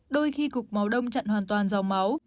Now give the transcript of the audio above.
đôi khi cục máu đông chặn hoàn toàn dòng máu